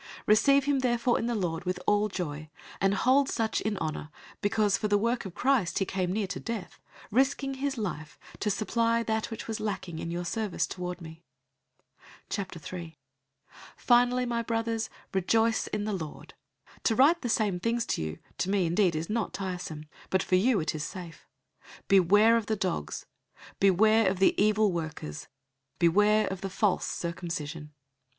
002:029 Receive him therefore in the Lord with all joy, and hold such in honor, 002:030 because for the work of Christ he came near to death, risking his life to supply that which was lacking in your service toward me. 003:001 Finally, my brothers, rejoice in the Lord. To write the same things to you, to me indeed is not tiresome, but for you it is safe. 003:002 Beware of the dogs, beware of the evil workers, beware of the false circumcision.